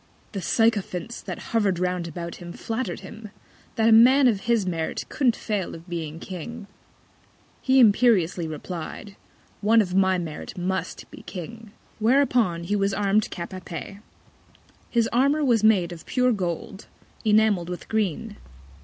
The Sycophants that hover'd round about him flatter'd him, that a Man of his Merit couldn't fail of being King: He imperiously replied, One of my Merit must be King: Whereupon he was arm'd Cap a pee. His Armour was made of pure Gold, enamell'd with Green.